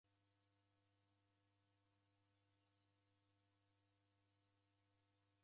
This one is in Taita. Ijo ilagho jaeleshero kwa ndenyi.